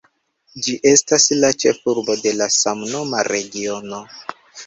Ĝi estas la ĉefurbo de la samnoma regiono.